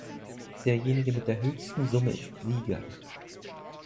Derjenige mit der höchsten Summe ist Sieger.